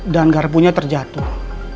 dan garpunya terjatuh